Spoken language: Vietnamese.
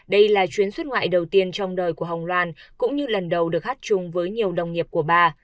đây là chuyến xuất ngoại đầu tiên trong đời của hồng loan cũng như lần đầu được hát chung với nhiều đồng nghiệp của bà